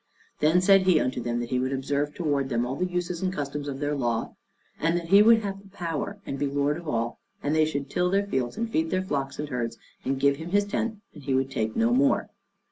Then said he unto them that he would observe towards them all the uses and customs of their law, and that he would have the power, and be lord of all; and they should till their fields and feed their flocks and herds, and give him his tenth, and he would take no more.